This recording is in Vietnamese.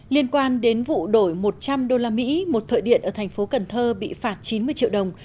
liên quan đến vụ đổi một trăm linh đô la mỹ một thợ điện ở thành phố cần thơ bị phạt chín mươi triệu đồng